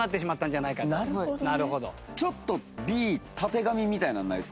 ちょっとＢたてがみみたいなのないですか？